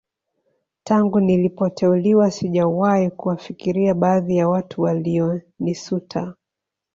Tangu nilipoteuliwa sijawahi kuwafikiria baadhi ya watu walionisuta